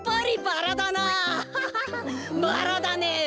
バラだねえ。